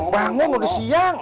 bangun udah siang